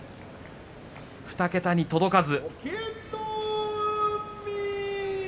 ２桁に届かず。